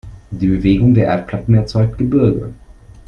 Die Bewegung der Erdplatten erzeugt Gebirge.